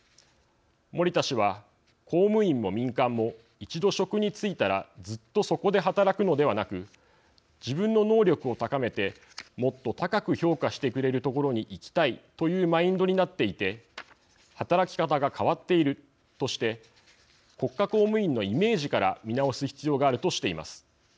森田氏は「公務員も民間も一度職に就いたらずっとそこで働くのではなく自分の能力を高めてもっと高く評価してくれるところに行きたいというマインドになっていて働き方が変わっている」として国家公務員のイメージから見直す必要があるとしています。